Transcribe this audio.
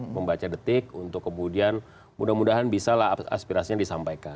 membaca detik untuk kemudian mudah mudahan bisalah aspirasinya disampaikan